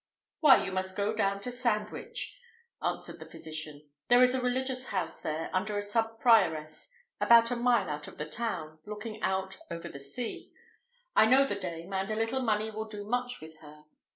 "Why, you must go down to Sandwich," answered the physician. "There is a religious house there, under a sub prioress, about a mile out of the town, looking out over the sea. I know the dame, and a little money will do much with her.